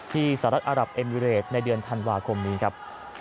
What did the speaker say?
ที่สรรคอัตรับเอ็มบิเรดในเดือนธันวาคมนี้ครับ